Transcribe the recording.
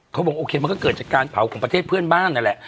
เขาบอกโอเคมันก็เกิดจากการเผาของประเทศเพื่อนบ้านนั่นแหละ